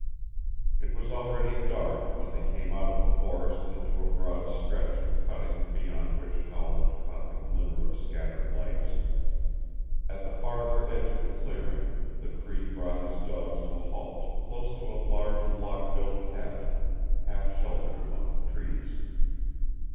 It was already dark when they came out of the forest into a broad stretch of cutting beyond which Howland caught the glimmer of scattered lights. At the farther edge of the clearing the Cree brought his dogs to a halt close to a large log built cabin half sheltered among the trees.